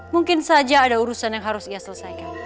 mungkin saja ada urusan yang harus ia selesaikan